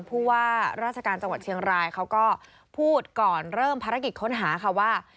ผู้ว่าราชการจังหวัดเชียงรายเขาก็พูดก่อนเริ่มภารกิจค้นหาค่ะว่า